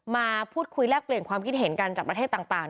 มาพูดคุยแลกเปลี่ยนความคิดเห็นกันจากประเทศต่าง